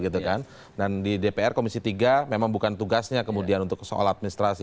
dan di dpr komisi tiga memang bukan tugasnya kemudian untuk soal administrasi